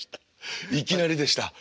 いきなりでした。